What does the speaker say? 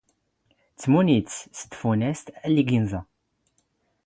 ⵜⵎⵓⵏ ⵉⴷⵙ ⵙ ⵜⴼⵓⵏⴰⵙⵜ ⴰⵍⵍⵉⴳ ⵉⵏⵥⴰ.